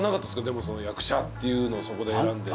でも役者っていうのそこで選んで。